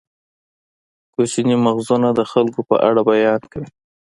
کوچني مغزونه د خلکو په اړه بیان کوي.